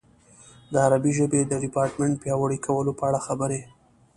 د عربي ژبې د ډیپارټمنټ پیاوړي کولو په اړه خبرې.